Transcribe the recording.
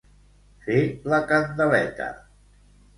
Fer la candeleta.